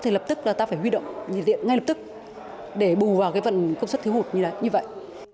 thì lập tức là ta phải huy động nhiệt điện ngay lập tức để bù vào cái vận công suất thiếu hụt như là như vậy